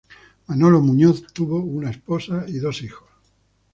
Manolo Muñoz tuvo una esposa y dos hijos.